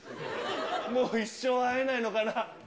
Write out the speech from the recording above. もう一生会えないのかな。